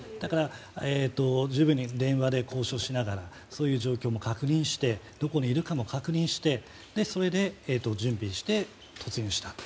十分に電話で交渉しながらそういう状況も確認してどこにいるかも確認してそれで準備して突入したと。